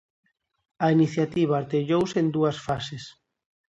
A iniciativa artellouse en dúas fases.